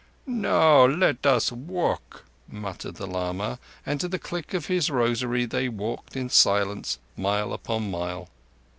"Now let us walk," muttered the lama, and to the click of his rosary they walked in silence mile upon mile.